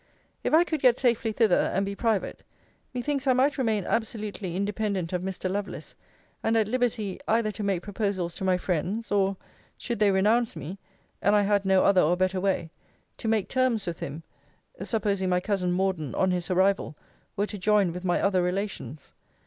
If I could get safely thither, and be private, methinks I might remain absolutely independent of Mr. Lovelace, and at liberty either to make proposals to my friends, or, should they renounce me, (and I had no other or better way,) to make terms with him; supposing my cousin Morden, on his arrival, were to join with my other relations.